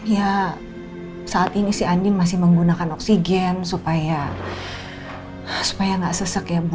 ya saat ini si andi masih menggunakan oksigen supaya nggak sesek ya bu